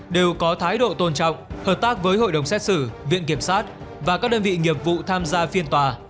đều có thái độ tôn trọng hợp tác với hội đồng xét xử viện kiểm sát và các đơn vị nghiệp vụ tham gia phiên tòa